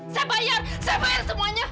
saya bayar saya bayar semuanya